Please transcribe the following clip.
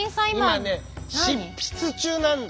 今ね執筆中なんだ。